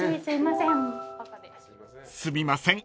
すいません。